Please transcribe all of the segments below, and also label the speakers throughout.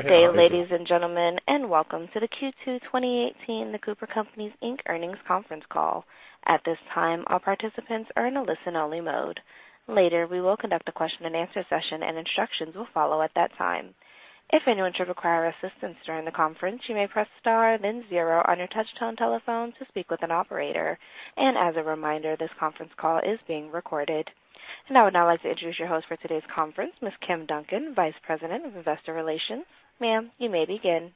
Speaker 1: Good day, ladies and gentlemen, welcome to the Q2 2018 The Cooper Companies Inc. earnings conference call. At this time, all participants are in a listen-only mode. Later, we will conduct a question and answer session, instructions will follow at that time. If anyone should require assistance during the conference, you may press star then zero on your touch-tone telephone to speak with an operator. As a reminder, this conference call is being recorded. I would now like to introduce your host for today's conference, Ms. Kim Duncan, Vice President of Investor Relations. Ma'am, you may begin.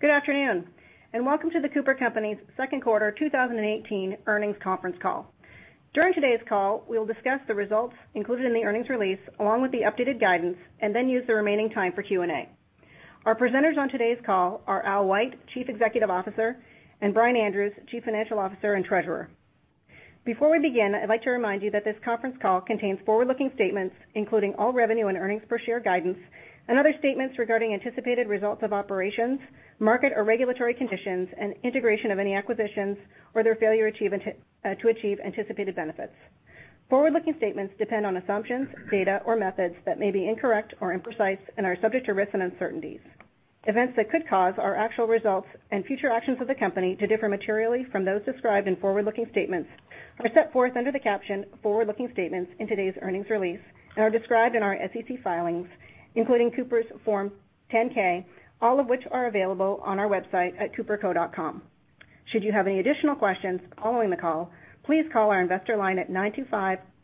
Speaker 2: Good afternoon, welcome to The Cooper Companies second quarter 2018 earnings conference call. During today's call, we will discuss the results included in the earnings release, along with the updated guidance, then use the remaining time for Q&A. Our presenters on today's call are Albert White, Chief Executive Officer, and Brian Andrews, Chief Financial Officer and Treasurer. Before we begin, I'd like to remind you that this conference call contains forward-looking statements, including all revenue and earnings per share guidance and other statements regarding anticipated results of operations, market or regulatory conditions, and integration of any acquisitions or their failure to achieve anticipated benefits. Forward-looking statements depend on assumptions, data, or methods that may be incorrect or imprecise and are subject to risks and uncertainties. Events that could cause our actual results and future actions of the company to differ materially from those described in forward-looking statements are set forth under the caption forward-looking statements in today's earnings release and are described in our SEC filings, including Cooper's Form 10-K, all of which are available on our website at coopercos.com. Should you have any additional questions following the call, please call our investor line at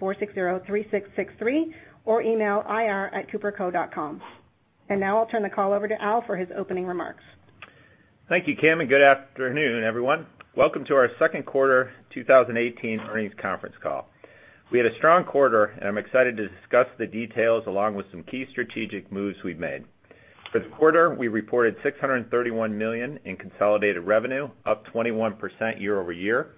Speaker 2: 925-460-3663 or email ir@coopercos.com. Now I'll turn the call over to Al for his opening remarks.
Speaker 3: Thank you, Kim, good afternoon, everyone. Welcome to our second quarter 2018 earnings conference call. We had a strong quarter, I'm excited to discuss the details along with some key strategic moves we've made. For the quarter, we reported $631 million in consolidated revenue, up 21% year-over-year,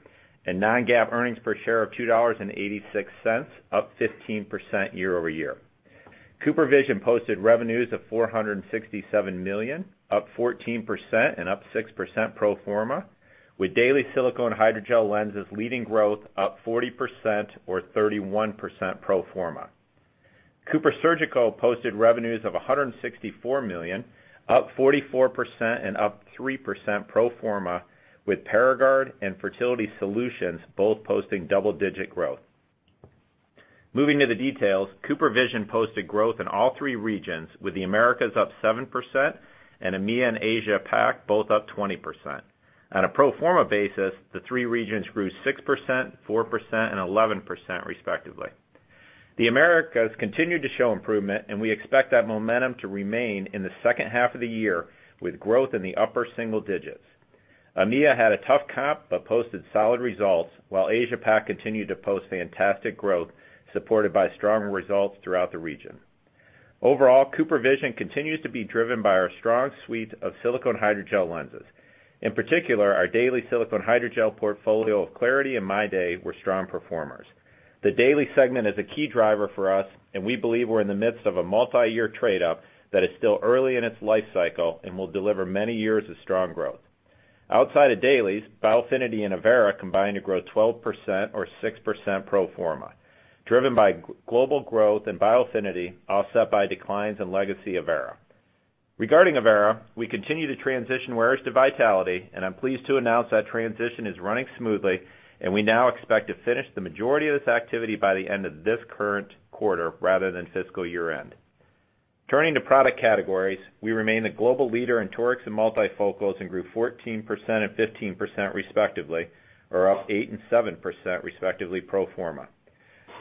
Speaker 3: non-GAAP earnings per share of $2.86, up 15% year-over-year. CooperVision posted revenues of $467 million, up 14% and up 6% pro forma, with daily silicone hydrogel lenses leading growth up 40% or 31% pro forma. CooperSurgical posted revenues of $164 million, up 44% and up 3% pro forma, with Paragard and Fertility Solutions both posting double-digit growth. Moving to the details, CooperVision posted growth in all three regions, with the Americas up 7% and EMEA and Asia-Pac both up 20%. On a pro forma basis, the three regions grew 6%, 4%, and 11% respectively. The Americas continued to show improvement, and we expect that momentum to remain in the second half of the year, with growth in the upper single digits. EMEA had a tough comp but posted solid results, while Asia-Pac continued to post fantastic growth, supported by strong results throughout the region. Overall, CooperVision continues to be driven by our strong suite of silicone hydrogel lenses. In particular, our daily silicone hydrogel portfolio of clariti and MyDay were strong performers. The daily segment is a key driver for us, and we believe we're in the midst of a multi-year trade-up that is still early in its life cycle and will deliver many years of strong growth. Outside of dailies, Biofinity and Avaira combined to grow 12% or 6% pro forma, driven by global growth in Biofinity, offset by declines in legacy Avaira. Regarding Avaira, we continue to transition wearers to Vitality, and I'm pleased to announce that transition is running smoothly, and we now expect to finish the majority of this activity by the end of this current quarter rather than fiscal year-end. Turning to product categories, we remain the global leader in torics and multifocals and grew 14% and 15% respectively or up 8% and 7% respectively pro forma.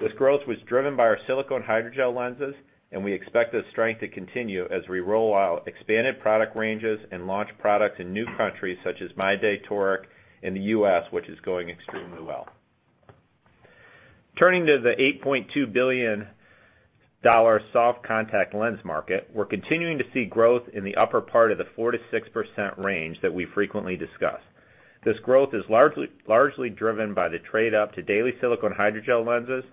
Speaker 3: This growth was driven by our silicone hydrogel lenses, and we expect this strength to continue as we roll out expanded product ranges and launch products in new countries, such as MyDay toric in the U.S., which is going extremely well. Turning to the $8.2 billion soft contact lens market, we're continuing to see growth in the upper part of the 4%-6% range that we frequently discuss. This growth is largely driven by the trade-up to daily silicone hydrogel lenses,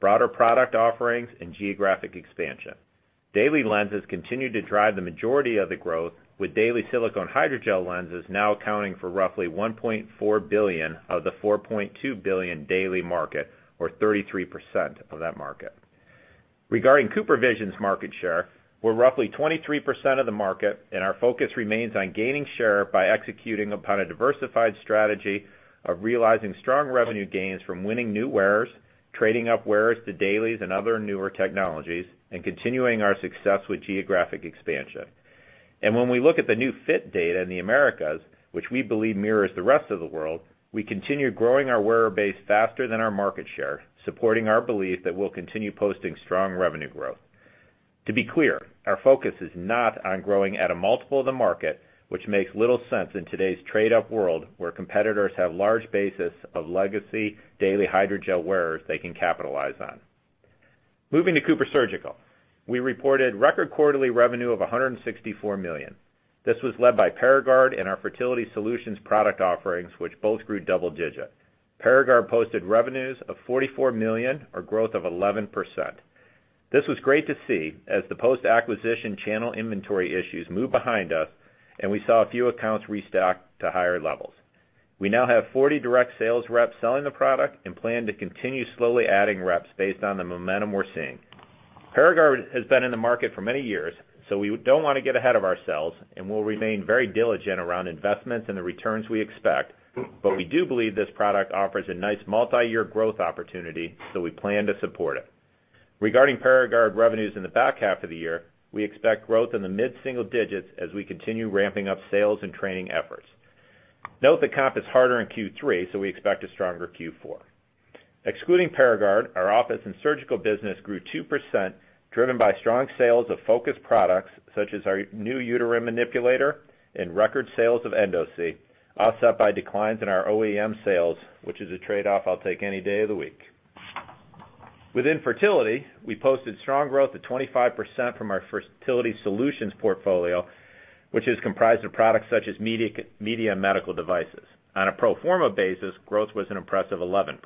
Speaker 3: broader product offerings, and geographic expansion. Daily lenses continue to drive the majority of the growth, with daily silicone hydrogel lenses now accounting for roughly $1.4 billion of the $4.2 billion daily market, or 33% of that market. Regarding CooperVision's market share, we're roughly 23% of the market, and our focus remains on gaining share by executing upon a diversified strategy of realizing strong revenue gains from winning new wearers, trading up wearers to dailies and other newer technologies, and continuing our success with geographic expansion. When we look at the new fit data in the Americas, which we believe mirrors the rest of the world, we continue growing our wearer base faster than our market share, supporting our belief that we'll continue posting strong revenue growth. To be clear, our focus is not on growing at a multiple of the market, which makes little sense in today's trade-up world where competitors have large bases of legacy daily hydrogel wearers they can capitalize on. Moving to CooperSurgical, we reported record quarterly revenue of $164 million. This was led by Paragard and our Fertility Solutions product offerings, which both grew double digits. Paragard posted revenues of $44 million, or growth of 11%. This was great to see as the post-acquisition channel inventory issues moved behind us, and we saw a few accounts restock to higher levels. We now have 40 direct sales reps selling the product and plan to continue slowly adding reps based on the momentum we're seeing. Paragard has been in the market for many years, so we don't want to get ahead of ourselves, and we'll remain very diligent around investments and the returns we expect. We do believe this product offers a nice multi-year growth opportunity, so we plan to support it. Regarding Paragard revenues in the back half of the year, we expect growth in the mid-single digits as we continue ramping up sales and training efforts. Note that comp is harder in Q3, so we expect a stronger Q4. Excluding Paragard, our office and surgical business grew 2%, driven by strong sales of focused products such as our new uterine manipulator and record sales of Endosee, offset by declines in our OEM sales, which is a trade-off I'll take any day of the week. Within fertility, we posted strong growth of 25% from our Fertility Solutions portfolio, which is comprised of products such as Media Medical Devices. On a pro forma basis, growth was an impressive 11%.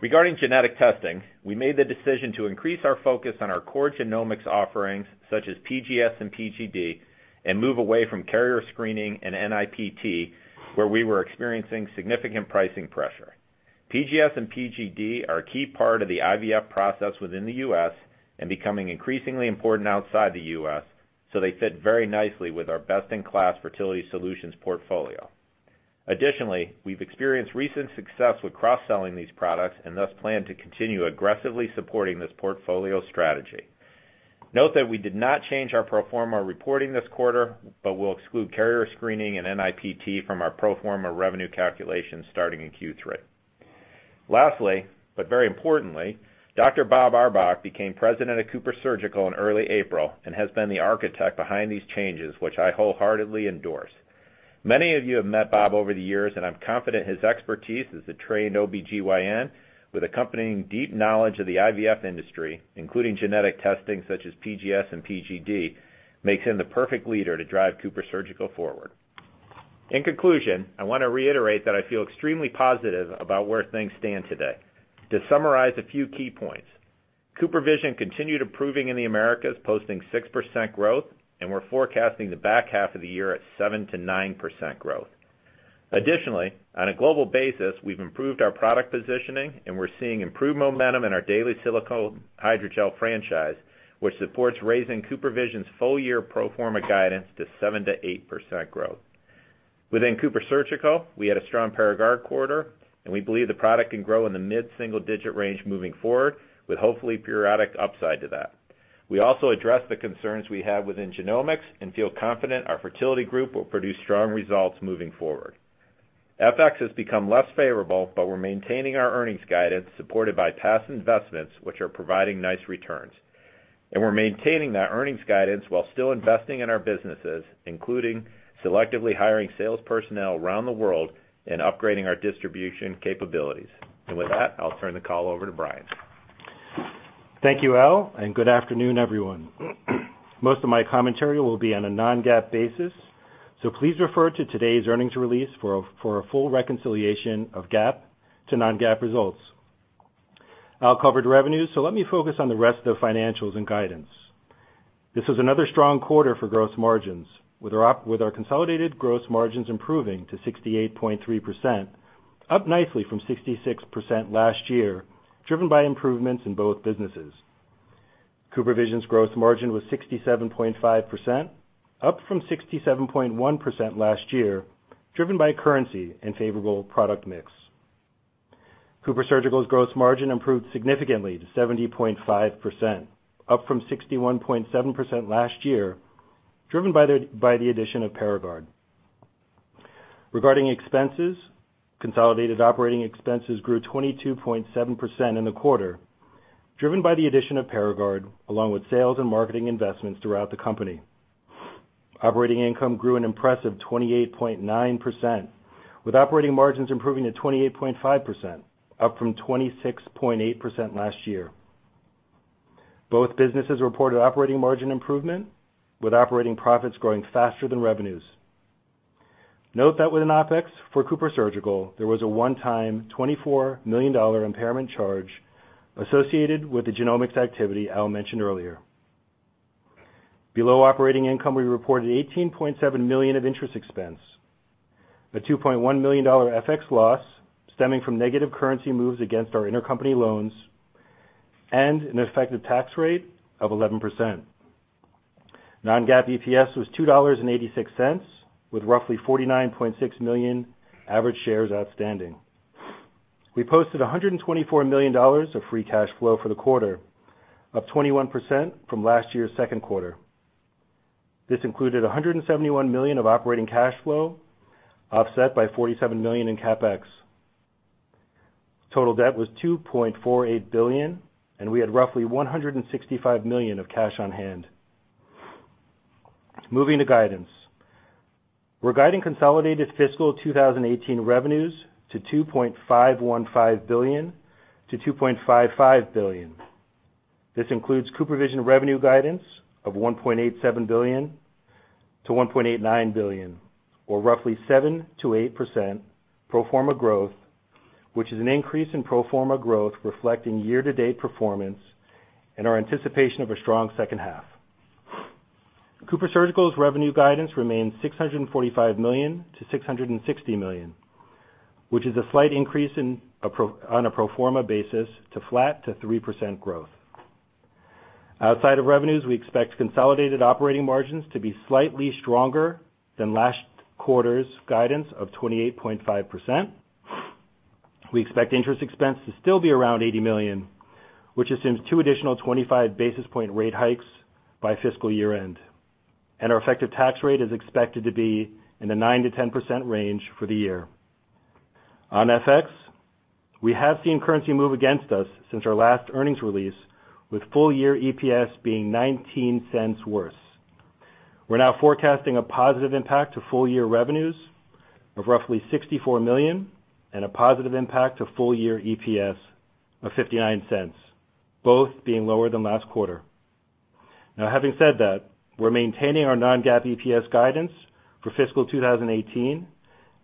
Speaker 3: Regarding genetic testing, we made the decision to increase our focus on our core genomics offerings such as PGS and PGD and move away from carrier screening and NIPT, where we were experiencing significant pricing pressure. PGS and PGD are a key part of the IVF process within the U.S. and becoming increasingly important outside the U.S., so they fit very nicely with our best-in-class Fertility Solutions portfolio. Additionally, we've experienced recent success with cross-selling these products and thus plan to continue aggressively supporting this portfolio strategy. Note that we did not change our pro forma reporting this quarter, but we'll exclude carrier screening and NIPT from our pro forma revenue calculations starting in Q3. Lastly, very importantly, Dr. Bob Auerbach became president of CooperSurgical in early April and has been the architect behind these changes, which I wholeheartedly endorse. Many of you have met Bob over the years, and I'm confident his expertise as a trained OBGYN with accompanying deep knowledge of the IVF industry, including genetic testing such as PGS and PGD, makes him the perfect leader to drive CooperSurgical forward. In conclusion, I want to reiterate that I feel extremely positive about where things stand today. To summarize a few key points, CooperVision continued improving in the Americas, posting 6% growth, and we're forecasting the back half of the year at 7%-9% growth. Additionally, on a global basis, we've improved our product positioning, and we're seeing improved momentum in our daily silicone hydrogel franchise, which supports raising CooperVision's full-year pro forma guidance to 7%-8% growth. Within CooperSurgical, we had a strong Paragard quarter, and we believe the product can grow in the mid-single digit range moving forward with hopefully periodic upside to that. We also addressed the concerns we had within genomics and feel confident our fertility group will produce strong results moving forward. FX has become less favorable, we're maintaining our earnings guidance supported by past investments, which are providing nice returns. We're maintaining that earnings guidance while still investing in our businesses, including selectively hiring sales personnel around the world and upgrading our distribution capabilities. With that, I'll turn the call over to Brian.
Speaker 4: Thank you, Al, and good afternoon, everyone. Most of my commentary will be on a non-GAAP basis, so please refer to today's earnings release for a full reconciliation of GAAP to non-GAAP results. Al covered revenues, so let me focus on the rest of the financials and guidance. This was another strong quarter for gross margins with our consolidated gross margins improving to 68.3%, up nicely from 66% last year, driven by improvements in both businesses. CooperVision's gross margin was 67.5%, up from 67.1% last year, driven by currency and favorable product mix. CooperSurgical's gross margin improved significantly to 70.5%, up from 61.7% last year, driven by the addition of Paragard. Regarding expenses, consolidated operating expenses grew 22.7% in the quarter, driven by the addition of Paragard, along with sales and marketing investments throughout the company. Operating income grew an impressive 28.9%, with operating margins improving to 28.5%, up from 26.8% last year. Both businesses reported operating margin improvement, with operating profits growing faster than revenues. Note that within OpEx for CooperSurgical, there was a one-time $24 million impairment charge associated with the genomics activity Al mentioned earlier. Below operating income, we reported $18.7 million of interest expense, a $2.1 million FX loss stemming from negative currency moves against our intercompany loans, and an effective tax rate of 11%. Non-GAAP EPS was $2.86, with roughly 49.6 million average shares outstanding. We posted $124 million of free cash flow for the quarter, up 21% from last year's second quarter. This included $171 million of operating cash flow, offset by $47 million in CapEx. Total debt was $2.48 billion, and we had roughly $165 million of cash on hand. Moving to guidance. We're guiding consolidated fiscal 2018 revenues to $2.515 billion-$2.55 billion. This includes CooperVision revenue guidance of $1.87 billion-$1.89 billion or roughly 7%-8% pro forma growth, which is an increase in pro forma growth reflecting year-to-date performance and our anticipation of a strong second half. CooperSurgical's revenue guidance remains $645 million-$660 million, which is a slight increase on a pro forma basis to flat to 3% growth. Outside of revenues, we expect consolidated operating margins to be slightly stronger than last quarter's guidance of 28.5%. We expect interest expense to still be around $80 million, which assumes two additional 25 basis point rate hikes by fiscal year-end. Our effective tax rate is expected to be in the 9%-10% range for the year. On FX, we have seen currency move against us since our last earnings release, with full-year EPS being $0.19 worse. We're now forecasting a positive impact to full-year revenues of roughly $64 million and a positive impact to full-year EPS of $0.59, both being lower than last quarter. Having said that, we're maintaining our non-GAAP EPS guidance for fiscal 2018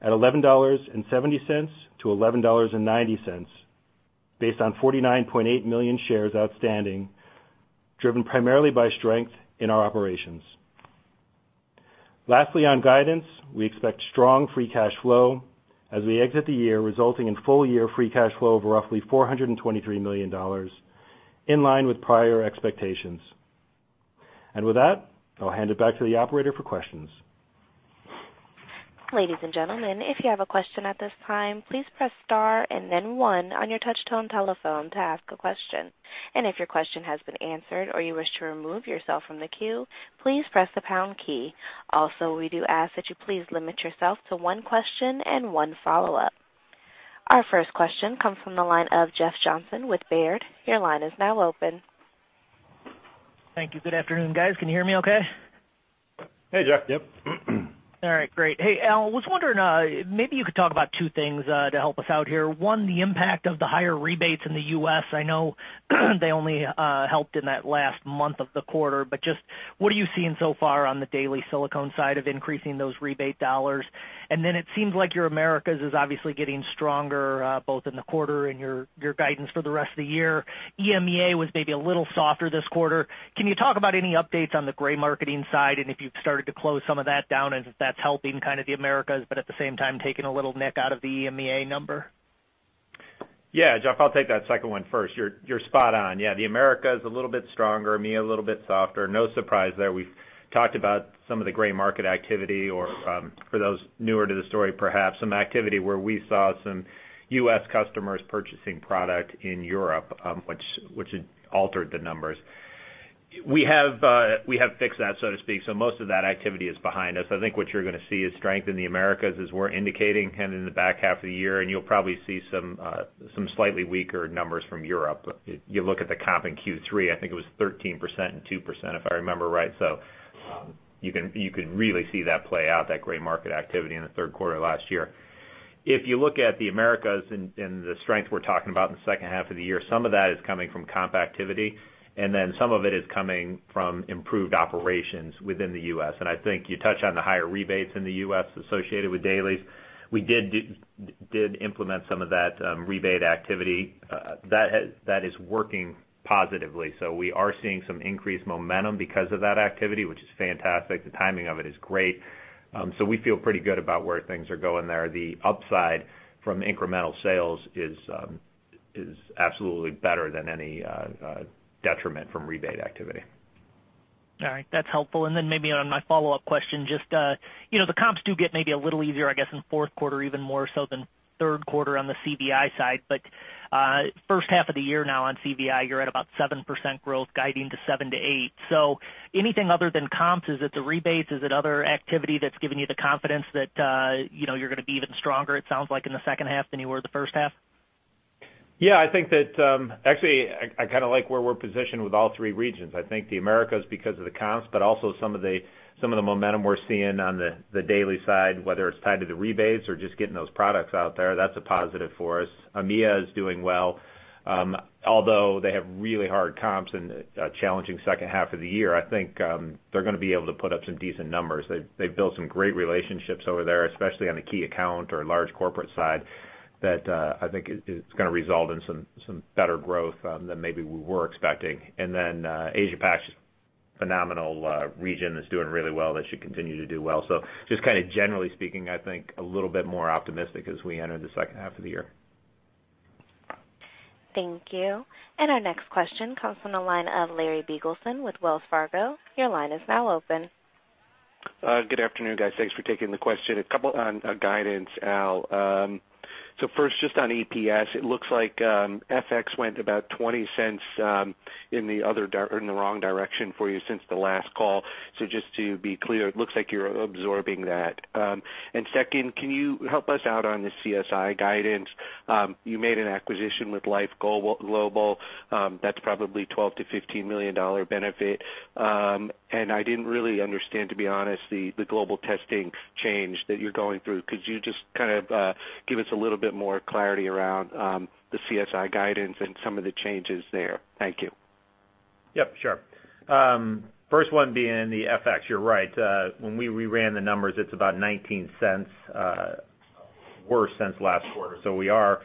Speaker 4: at $11.70-$11.90, based on 49.8 million shares outstanding, driven primarily by strength in our operations. Lastly, on guidance, we expect strong free cash flow as we exit the year, resulting in full-year free cash flow of roughly $423 million, in line with prior expectations. With that, I'll hand it back to the operator for questions.
Speaker 1: Ladies and gentlemen, if you have a question at this time, please press star and then one on your touch-tone telephone to ask a question. If your question has been answered or you wish to remove yourself from the queue, please press the pound key. We do ask that you please limit yourself to one question and one follow-up. Our first question comes from the line of Jeff Johnson with Baird. Your line is now open.
Speaker 5: Thank you. Good afternoon, guys. Can you hear me okay?
Speaker 4: Hey, Jeff. Yep.
Speaker 5: Hey, Al, was wondering, maybe you could talk about two things to help us out here. One, the impact of the higher rebates in the U.S. I know they only helped in that last month of the quarter, but just what are you seeing so far on the daily silicone side of increasing those rebate dollars? It seems like your Americas is obviously getting stronger, both in the quarter and your guidance for the rest of the year. EMEA was maybe a little softer this quarter. Can you talk about any updates on the gray marketing side? If you've started to close some of that down and if that's helping the Americas, but at the same time, taking a little nick out of the EMEA number?
Speaker 4: Yeah, Jeff, I'll take that second one first. You're spot on. Yeah, the Americas a little bit stronger, EMEA a little bit softer. No surprise there. We've talked about some of the gray market activity or for those newer to the story perhaps, some activity where we saw some U.S. customers purchasing product in Europe, which had altered the numbers. We have fixed that, so to speak, so most of that activity is behind us. I think what you're going to see is strength in the Americas as we're indicating, in the back half of the year, you'll probably see some slightly weaker numbers from Europe. You look at the comp in Q3, I think it was 13% and 2%, if I remember right. You can really see that play out, that gray market activity in the third quarter last year. If you look at the Americas and the strength we're talking about in the second half of the year, some of that is coming from comp activity, some of it is coming from improved operations within the U.S. I think you touched on the higher rebates in the U.S. associated with dailies. We did implement some of that rebate activity. That is working positively. We are seeing some increased momentum because of that activity, which is fantastic. The timing of it is great. We feel pretty good about where things are going there. The upside from incremental sales is absolutely better than any detriment from rebate activity.
Speaker 5: That's helpful. Maybe on my follow-up question, just the comps do get maybe a little easier, I guess, in fourth quarter even more so than third quarter on the CVI side. First half of the year now on CVI, you're at about 7% growth guiding to 7%-8%. Anything other than comps? Is it the rebates? Is it other activity that's giving you the confidence that you're going to be even stronger, it sounds like, in the second half than you were the first half?
Speaker 4: I think that, actually, I kind of like where we're positioned with all three regions. I think the Americas because of the comps, but also some of the momentum we're seeing on the daily side, whether it's tied to the rebates or just getting those products out there. That's a positive for us. EMEA is doing well. Although they have really hard comps and a challenging second half of the year, I think they're going to be able to put up some decent numbers. They've built some great relationships over there, especially on the key account or large corporate side, that I think it's going to result in some better growth than maybe we were expecting. Asia-Pac, phenomenal region that's doing really well. They should continue to do well. Just kind of generally speaking, I think a little bit more optimistic as we enter the second half of the year.
Speaker 1: Thank you. Our next question comes from the line of Larry Biegelsen with Wells Fargo. Your line is now open.
Speaker 6: Good afternoon, guys. Thanks for taking the question. A couple on guidance, Al. First, just on EPS, it looks like FX went about $0.20 in the wrong direction for you since the last call. Just to be clear, it looks like you're absorbing that. Second, can you help us out on the CSI guidance? You made an acquisition with Life Global. That's probably a $12 million to $15 million benefit. I didn't really understand, to be honest, the global testing change that you're going through. Could you just give us a little bit more clarity around the CSI guidance and some of the changes there? Thank you.
Speaker 4: Yep, sure. First one being the FX, you're right. When we reran the numbers, it's about $0.19
Speaker 3: Worse since last quarter. We are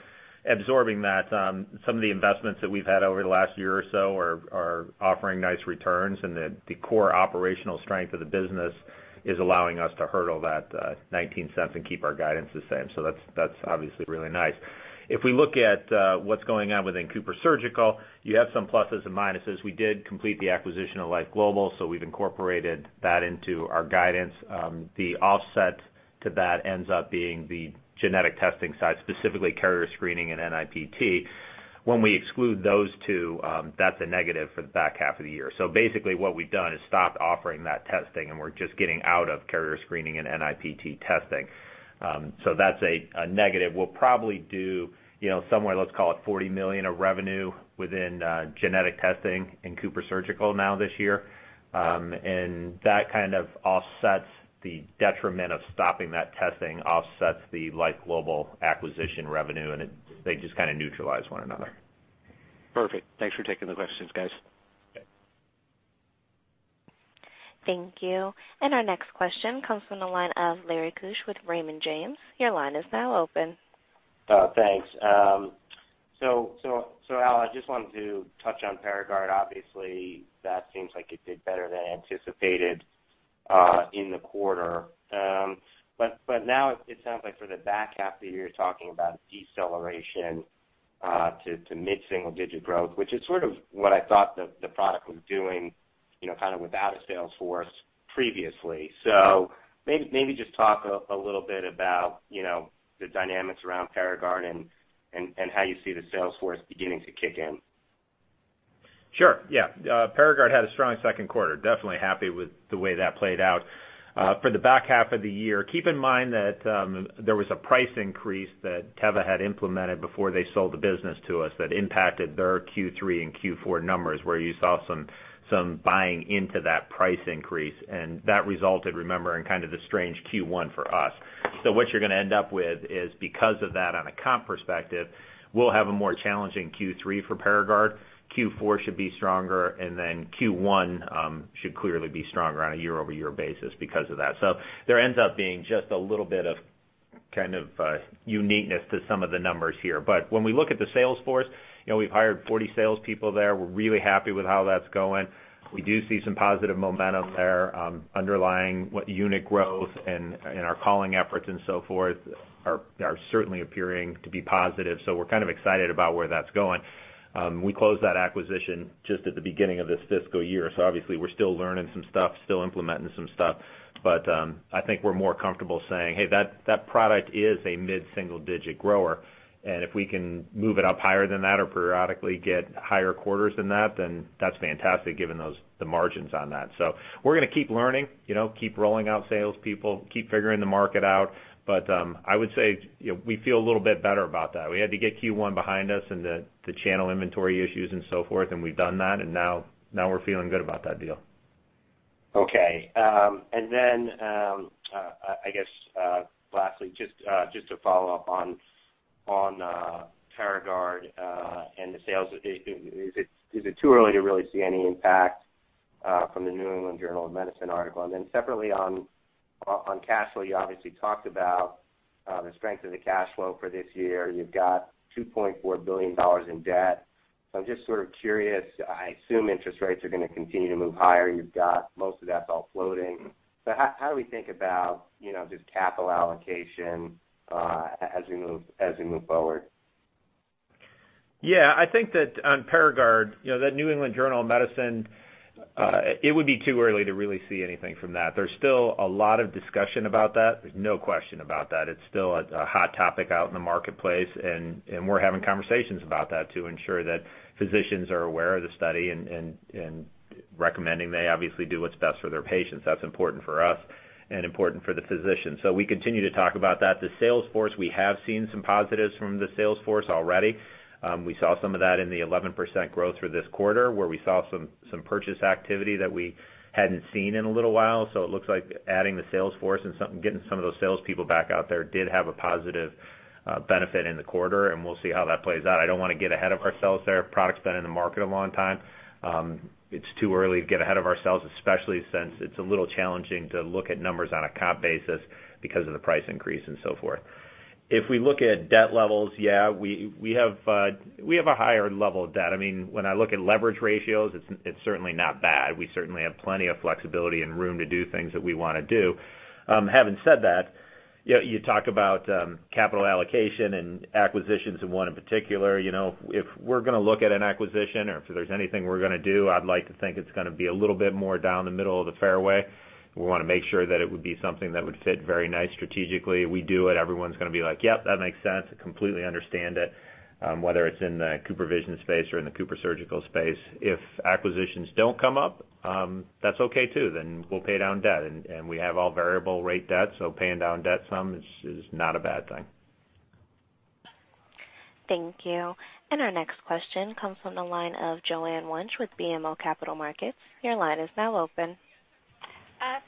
Speaker 3: absorbing that. Some of the investments that we've had over the last year or so are offering nice returns, and the core operational strength of the business is allowing us to hurdle that $0.19 and keep our guidance the same. That's obviously really nice. If we look at what's going on within CooperSurgical, you have some pluses and minuses. We did complete the acquisition of Life Global, so we've incorporated that into our guidance. The offset to that ends up being the genetic testing side, specifically carrier screening and NIPT. When we exclude those two, that's a negative for the back half of the year. Basically what we've done is stopped offering that testing, and we're just getting out of carrier screening and NIPT testing. That's a negative. We'll probably do somewhere, let's call it $40 million of revenue within genetic testing in CooperSurgical now this year. That kind of offsets the detriment of stopping that testing, offsets the Life Global acquisition revenue, and they just kind of neutralize one another.
Speaker 6: Perfect. Thanks for taking the questions, guys.
Speaker 3: Okay.
Speaker 1: Thank you. Our next question comes from the line of Larry Kush with Raymond James. Your line is now open.
Speaker 7: Thanks. Al, I just wanted to touch on Paragard. Obviously, that seems like it did better than anticipated in the quarter. Now it sounds like for the back half of the year, you're talking about deceleration to mid-single digit growth, which is sort of what I thought the product was doing kind of without a sales force previously. Maybe just talk a little bit about the dynamics around Paragard and how you see the sales force beginning to kick in.
Speaker 3: Sure, yeah. Paragard had a strong second quarter. Definitely happy with the way that played out. For the back half of the year, keep in mind that there was a price increase that Teva had implemented before they sold the business to us that impacted their Q3 and Q4 numbers, where you saw some buying into that price increase. That resulted, remember, in kind of the strange Q1 for us. What you're going to end up with is because of that, on a comp perspective, we'll have a more challenging Q3 for Paragard. Q4 should be stronger, Q1 should clearly be stronger on a year-over-year basis because of that. There ends up being just a little bit of kind of uniqueness to some of the numbers here. When we look at the sales force, we've hired 40 salespeople there. We're really happy with how that's going. We do see some positive momentum there. Underlying unit growth and our calling efforts and so forth are certainly appearing to be positive. We're kind of excited about where that's going. We closed that acquisition just at the beginning of this fiscal year, so obviously we're still learning some stuff, still implementing some stuff, but I think we're more comfortable saying, "Hey, that product is a mid-single digit grower," and if we can move it up higher than that or periodically get higher quarters than that, then that's fantastic given the margins on that. We're going to keep learning, keep rolling out sales people, keep figuring the market out. I would say we feel a little bit better about that. We had to get Q1 behind us and the channel inventory issues and so forth, and we've done that, and now we're feeling good about that deal.
Speaker 7: Okay. I guess, lastly, just to follow up on Paragard and the sales. Is it too early to really see any impact from The New England Journal of Medicine article? Separately on cash flow, you obviously talked about the strength of the cash flow for this year. You've got $2.4 billion in debt. I'm just sort of curious, I assume interest rates are going to continue to move higher. You've got most of that's all floating. How do we think about just capital allocation as we move forward?
Speaker 3: Yeah, I think that on Paragard, that The New England Journal of Medicine, it would be too early to really see anything from that. There's still a lot of discussion about that. There's no question about that. It's still a hot topic out in the marketplace, and we're having conversations about that to ensure that physicians are aware of the study and recommending they obviously do what's best for their patients. That's important for us and important for the physician. We continue to talk about that. The sales force, we have seen some positives from the sales force already. We saw some of that in the 11% growth for this quarter, where we saw some purchase activity that we hadn't seen in a little while. It looks like adding the sales force and getting some of those salespeople back out there did have a positive benefit in the quarter, and we'll see how that plays out. I don't want to get ahead of ourselves there. Product's been in the market a long time. It's too early to get ahead of ourselves, especially since it's a little challenging to look at numbers on a comp basis because of the price increase and so forth. If we look at debt levels, yeah, we have a higher level of debt. I mean, when I look at leverage ratios, it's certainly not bad. We certainly have plenty of flexibility and room to do things that we want to do. Having said that, you talk about capital allocation and acquisitions in one in particular. If we're going to look at an acquisition or if there's anything we're going to do, I'd like to think it's going to be a little bit more down the middle of the fairway. We want to make sure that it would be something that would fit very nice strategically. We do it, everyone's going to be like, "Yep, that makes sense. I completely understand it," whether it's in the CooperVision space or in the CooperSurgical space. If acquisitions don't come up, that's okay, too. We'll pay down debt, and we have all variable rate debt, so paying down debt some is not a bad thing.
Speaker 1: Thank you. Our next question comes from the line of Joanne Wuensch with BMO Capital Markets. Your line is now open.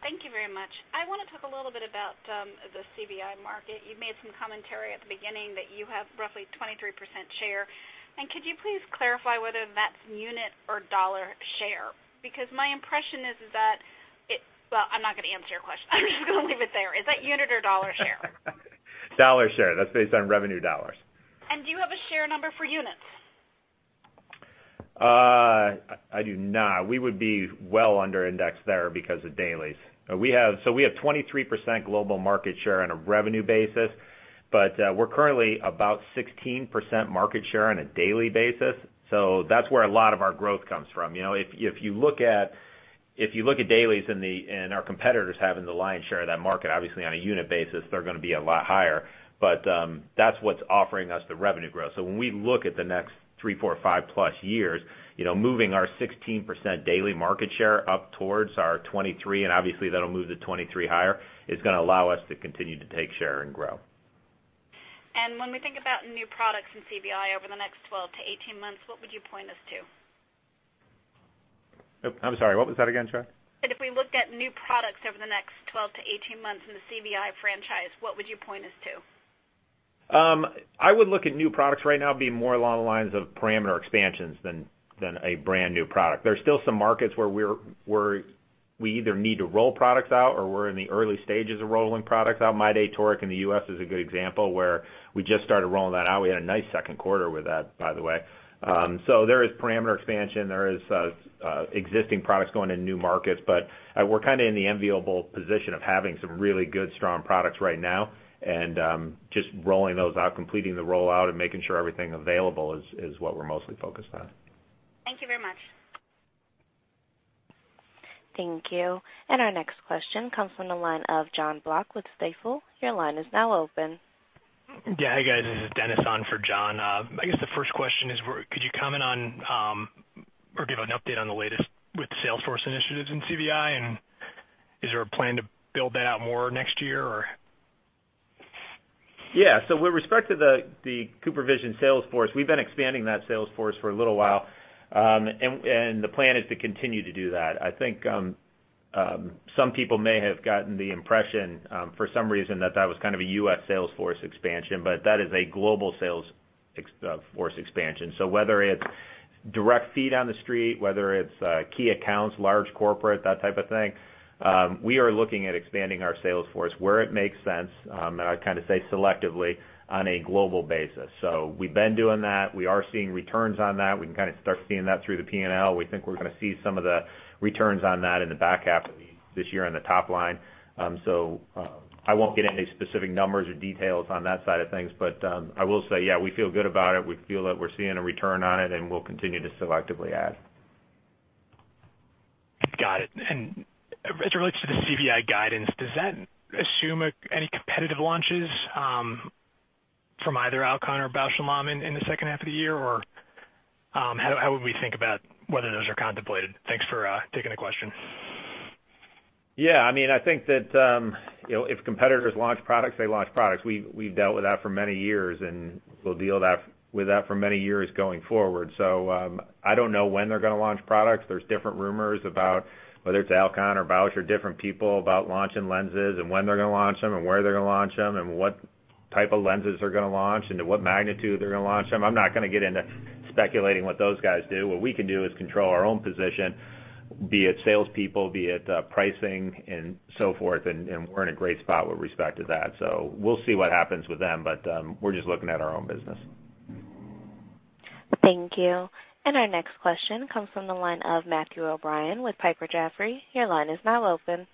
Speaker 8: Thank you very much. I want to talk a little bit about the CVI market. You made some commentary at the beginning that you have roughly 23% share. Could you please clarify whether that's unit or dollar share? Because my impression is that well, I'm not going to answer your question. I'm just going to leave it there. Is that unit or dollar share?
Speaker 3: Dollar share. That's based on revenue dollars.
Speaker 8: Do you have a share number for units?
Speaker 3: I do not. We would be well under index there because of dailies. We have 23% global market share on a revenue basis, but we're currently about 16% market share on a daily basis. That's where a lot of our growth comes from. If you look at dailies and our competitors having the lion's share of that market, obviously on a unit basis, they're going to be a lot higher. That's what's offering us the revenue growth. When we look at the next three, four, 5-plus years, moving our 16% daily market share up towards our 23%, and obviously that'll move to 23% higher, is going to allow us to continue to take share and grow.
Speaker 8: When we think about new products in CVI over the next 12-18 months, what would you point us to?
Speaker 3: I'm sorry, what was that again, Joanne?
Speaker 8: That if we looked at new products over the next 12-18 months in the CVI franchise, what would you point us to?
Speaker 3: I would look at new products right now being more along the lines of parameter expansions than a brand new product. There's still some markets where we either need to roll products out or we're in the early stages of rolling products out. MyDay toric in the U.S. is a good example where we just started rolling that out. We had a nice second quarter with that, by the way. There is parameter expansion, there is existing products going into new markets. We're kind of in the enviable position of having some really good, strong products right now, and just rolling those out, completing the rollout and making sure everything available is what we're mostly focused on.
Speaker 8: Thank you very much.
Speaker 1: Thank you. Our next question comes from the line of John Block with Stifel. Your line is now open.
Speaker 9: Hey, guys. This is Dennis on for John. I guess the first question is, could you comment on or give an update on the latest with the sales force initiatives in CVI, and is there a plan to build that out more next year or?
Speaker 3: With respect to the CooperVision sales force, we've been expanding that sales force for a little while. The plan is to continue to do that. I think some people may have gotten the impression for some reason that that was kind of a U.S. sales force expansion, but that is a global sales force expansion. Whether it's direct feet on the street, whether it's key accounts, large corporate, that type of thing, we are looking at expanding our sales force where it makes sense, and I kind of say selectively, on a global basis. We've been doing that. We are seeing returns on that. We can kind of start seeing that through the P&L. We think we're going to see some of the returns on that in the back half of this year on the top line. I won't get into any specific numbers or details on that side of things. I will say, we feel good about it. We feel that we're seeing a return on it, and we'll continue to selectively add.
Speaker 9: Got it. As it relates to the CVI guidance, does that assume any competitive launches from either Alcon or Bausch + Lomb in the second half of the year, or how would we think about whether those are contemplated? Thanks for taking the question.
Speaker 3: Yeah. I think that if competitors launch products, they launch products. We've dealt with that for many years, and we'll deal with that for many years going forward. I don't know when they're going to launch products. There's different rumors about whether it's Alcon or Bausch or different people about launching lenses and when they're going to launch them and where they're going to launch them and what type of lenses they're going to launch into what magnitude they're going to launch them. I'm not going to get into speculating what those guys do. What we can do is control our own position, be it salespeople, be it pricing, and so forth. And we're in a great spot with respect to that. We'll see what happens with them, but we're just looking at our own business.
Speaker 1: Thank you. Our next question comes from the line of Matthew O'Brien with Piper Jaffray. Your line is now open.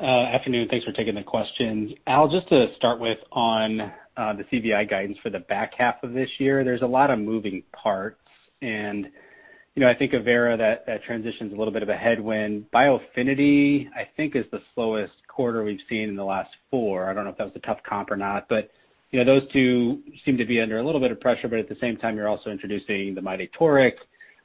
Speaker 10: Afternoon, thanks for taking the question. Al, just to start with on the CVI guidance for the back half of this year, there's a lot of moving parts. I think Avaira, that transition's a little bit of a headwind. Biofinity, I think is the slowest quarter we've seen in the last four. I don't know if that was a tough comp or not, but those two seem to be under a little bit of pressure, but at the same time, you're also introducing the MyDay toric,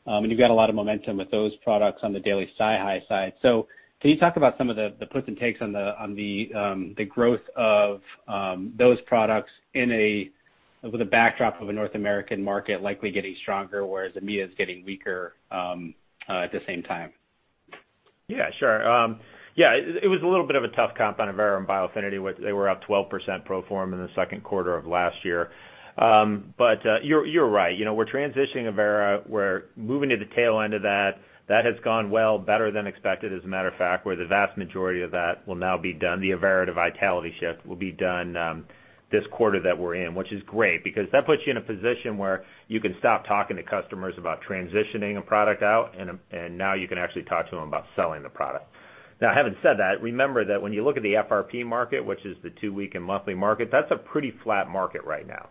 Speaker 10: and you've got a lot of momentum with those products on the daily SiHy side. Can you talk about some of the puts and takes on the growth of those products with a backdrop of a North American market likely getting stronger, whereas EMEA is getting weaker at the same time?
Speaker 3: Yeah, sure. It was a little bit of a tough comp on Avaira and Biofinity. They were up 12% pro forma in the second quarter of last year. You're right. We're transitioning Avaira. We're moving to the tail end of that. That has gone well, better than expected, as a matter of fact, where the vast majority of that will now be done. The Avaira to Vitality shift will be done this quarter that we're in, which is great because that puts you in a position where you can stop talking to customers about transitioning a product out, and now you can actually talk to them about selling the product. Now, having said that, remember that when you look at the FRP market, which is the two-week and monthly market, that's a pretty flat market right now.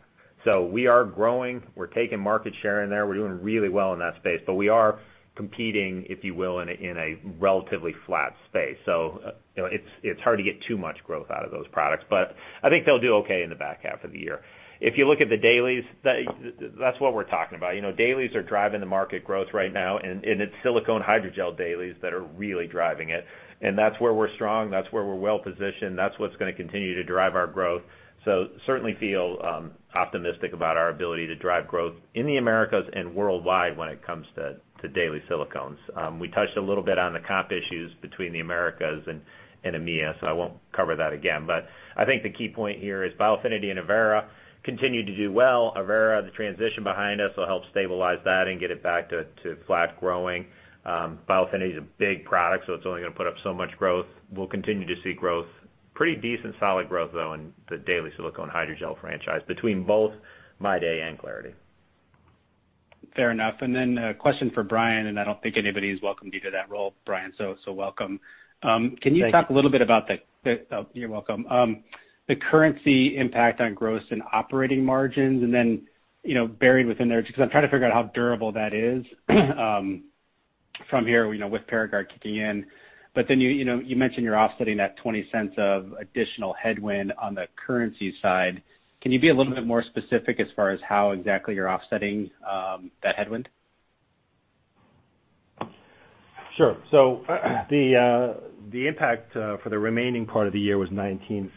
Speaker 3: We are growing. We're taking market share in there. We're doing really well in that space. We are competing, if you will, in a relatively flat space. It's hard to get too much growth out of those products. I think they'll do okay in the back half of the year. If you look at the dailies, that's what we're talking about. Dailies are driving the market growth right now, and it's silicone hydrogel dailies that are really driving it. That's where we're strong. That's where we're well positioned. That's what's going to continue to drive our growth. Certainly feel optimistic about our ability to drive growth in the Americas and worldwide when it comes to daily silicones. We touched a little bit on the comp issues between the Americas and EMEA, I won't cover that again. I think the key point here is Biofinity and Avaira continue to do well. Avaira, the transition behind us will help stabilize that and get it back to flat growing. Biofinity is a big product, it's only going to put up so much growth. We'll continue to see growth pretty decent solid growth though in the daily silicone hydrogel franchise between both MyDay and clariti.
Speaker 10: Fair enough. A question for Brian, I don't think anybody has welcomed you to that role, Brian, welcome.
Speaker 4: Thanks.
Speaker 10: You're welcome. Can you talk a little bit about the currency impact on gross and operating margins? Buried within there, just because I'm trying to figure out how durable that is from here, with Paragard kicking in. You mentioned you're offsetting that $0.20 of additional headwind on the currency side. Can you be a little bit more specific as far as how exactly you're offsetting that headwind?
Speaker 4: Sure. The impact for the remaining part of the year was $0.19.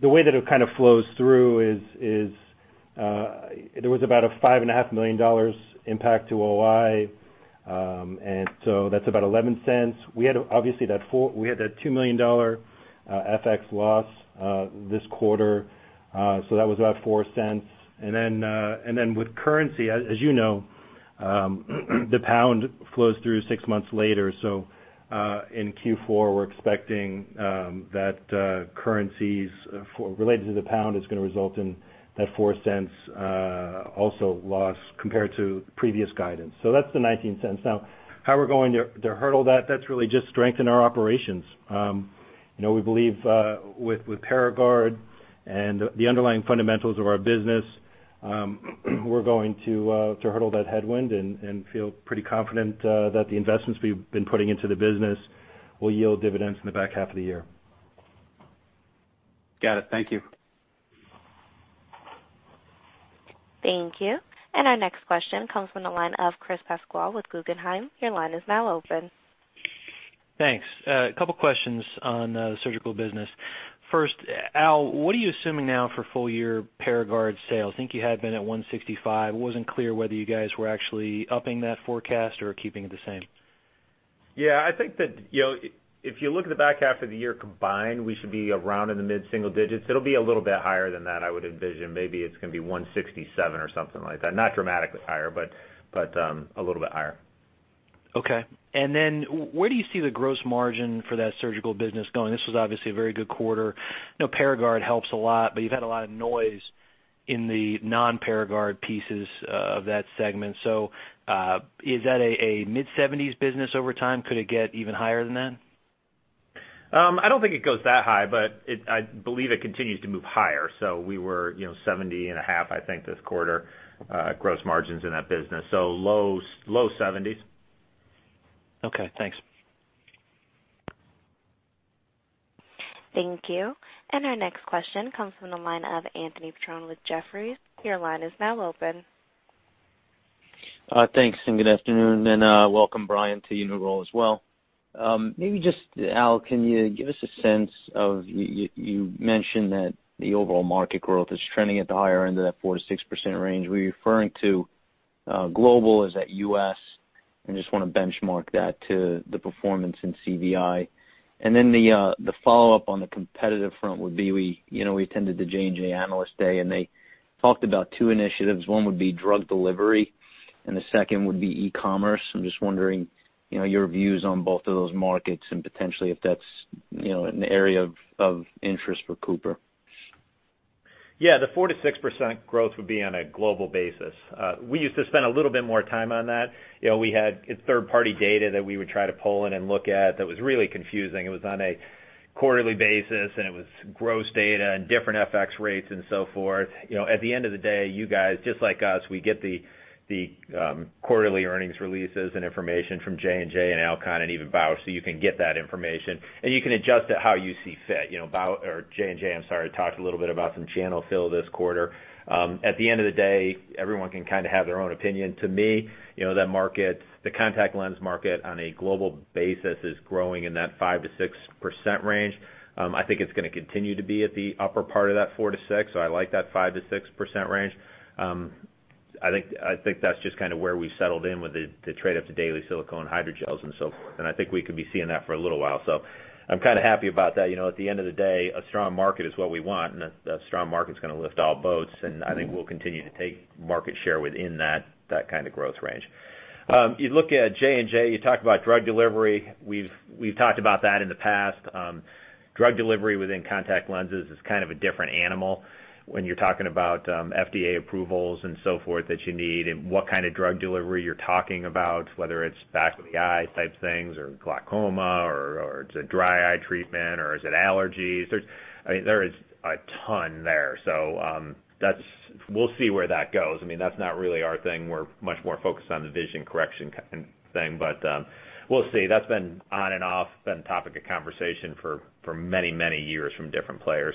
Speaker 4: The way that it kind of flows through is, there was about a $5.5 million impact to OI, that's about $0.11. We had that $2 million FX loss this quarter, that was about $0.04. With currency, as you know, the pound flows through six months later. In Q4 we're expecting that currencies related to the pound is going to result in that $0.04 also loss compared to previous guidance. That's the $0.19. How we're going to hurdle that's really just strength in our operations. We believe with Paragard and the underlying fundamentals of our business, we're going to hurdle that headwind and feel pretty confident that the investments we've been putting into the business will yield dividends in the back half of the year.
Speaker 10: Got it. Thank you.
Speaker 1: Thank you. Our next question comes from the line of Chris Pasquale with Guggenheim. Your line is now open.
Speaker 11: Thanks. A couple questions on the surgical business. First, Al, what are you assuming now for full year Paragard sales? I think you had been at $165. It wasn't clear whether you guys were actually upping that forecast or keeping it the same.
Speaker 3: Yeah, I think that if you look at the back half of the year combined, we should be around in the mid-single digits. It'll be a little bit higher than that, I would envision. Maybe it's going to be $167 or something like that. Not dramatically higher, but a little bit higher.
Speaker 11: Where do you see the gross margin for that surgical business going? This was obviously a very good quarter. I know Paragard helps a lot, but you've had a lot of noise in the non-Paragard pieces of that segment. Is that a mid-70s business over time? Could it get even higher than that?
Speaker 3: I don't think it goes that high, but I believe it continues to move higher. We were 70.5%, I think this quarter, gross margins in that business. Low 70s.
Speaker 11: Okay, thanks.
Speaker 1: Thank you. Our next question comes from the line of Anthony Petrone with Jefferies. Your line is now open.
Speaker 12: Thanks, good afternoon, welcome, Brian, to your new role as well. Maybe just, Al, can you give us a sense of, you mentioned that the overall market growth is trending at the higher end of that 4%-6% range. Were you referring to global, is that U.S.? I just want to benchmark that to the performance in CVI. The follow-up on the competitive front would be, I mean, we attended the J&J Analyst Day, and they talked about two initiatives. One would be drug delivery and the second would be e-commerce. I'm just wondering your views on both of those markets and potentially if that's an area of interest for Cooper.
Speaker 3: Yeah, the 4%-6% growth would be on a global basis. We used to spend a little bit more time on that. We had third-party data that we would try to pull in and look at that was really confusing. It was on a quarterly basis, it was gross data and different FX rates and so forth. At the end of the day, you guys, just like us, we get the quarterly earnings releases and information from J&J and Alcon and even Bausch, you can get that information and you can adjust it how you see fit. J&J, I'm sorry, talked a little bit about some channel fill this quarter. At the end of the day, everyone can kind of have their own opinion. To me, the contact lens market on a global basis is growing in that 5%-6% range. I think it's going to continue to be at the upper part of that 4% to 6%, so I like that 5%-6% range. I think that's just kind of where we've settled in with the trade up to daily silicone hydrogels and so forth, and I think we could be seeing that for a little while. I'm kind of happy about that. At the end of the day, a strong market is what we want, and a strong market's going to lift all boats, and I think we'll continue to take market share within that kind of growth range. You look at J&J, you talk about drug delivery. We've talked about that in the past. Drug delivery within contact lenses is kind of a different animal when you're talking about FDA approvals and so forth that you need, and what kind of drug delivery you're talking about, whether it's back of the eye type things or glaucoma or it's a dry eye treatment or is it allergies. There is a ton there. We'll see where that goes. That's not really our thing. We're much more focused on the vision correction kind of thing. We'll see. That's been on and off, been a topic of conversation for many years from different players.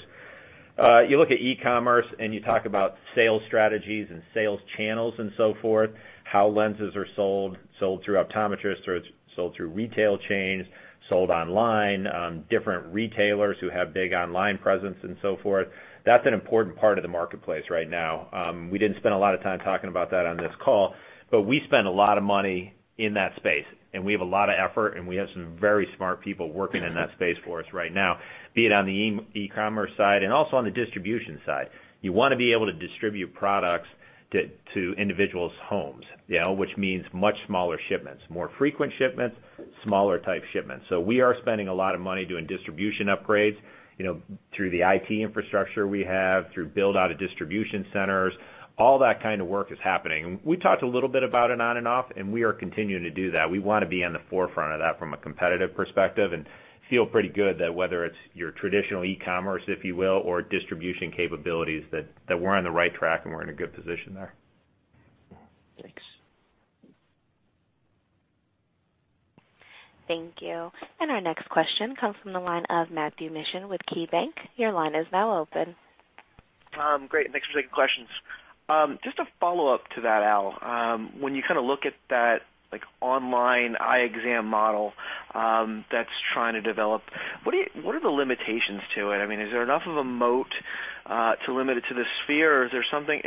Speaker 3: You look at e-commerce and you talk about sales strategies and sales channels and so forth, how lenses are sold through optometrists, or it's sold through retail chains, sold online, different retailers who have big online presence and so forth. That's an important part of the marketplace right now. We didn't spend a lot of time talking about that on this call, but we spend a lot of money in that space, and we have a lot of effort, and we have some very smart people working in that space for us right now, be it on the e-commerce side and also on the distribution side. You want to be able to distribute products to individuals' homes, which means much smaller shipments. More frequent shipments, smaller type shipments. We are spending a lot of money doing distribution upgrades through the IT infrastructure we have, through build out of distribution centers. All that kind of work is happening. We talked a little bit about it on and off, and we are continuing to do that. We want to be on the forefront of that from a competitive perspective and feel pretty good that whether it's your traditional e-commerce, if you will, or distribution capabilities, that we're on the right track and we're in a good position there.
Speaker 1: Thank you. Our next question comes from the line of Matthew Mishan with KeyBank. Your line is now open.
Speaker 13: Great. Thanks for taking questions. Just a follow-up to that, Al. When you look at that online eye exam model that's trying to develop, what are the limitations to it? Is there enough of a moat to limit it to the sphere? Or is there something